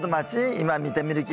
今見てみるき。